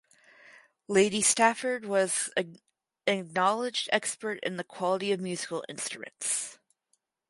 Lady Stafford was an acknowledged expert in the quality of musical instruments.